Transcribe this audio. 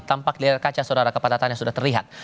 tampak di air kaca saudara kepadatannya sudah terlihat